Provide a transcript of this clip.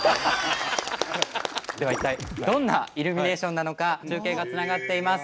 では一体どんなイルミネーションなのか中継がつながっています。